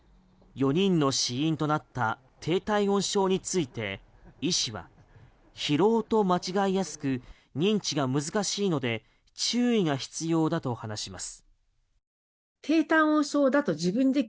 ４人の死因となった低体温症について医師は疲労と間違いやすく認知が難しいので注意が必要だと話します。